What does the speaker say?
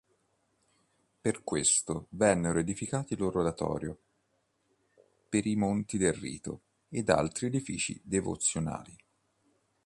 Per questo vennero edificati l'oratorio per i Morti del Rito ed altri edifici devozionali.